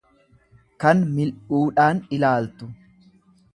kan mil'uudhaan ilaaltu.